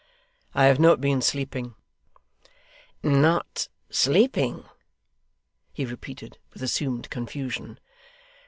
'I have not been sleeping.' 'Not sleeping!' he repeated, with assumed confusion.